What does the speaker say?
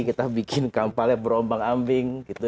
kita bikin kampal yang berombang ambing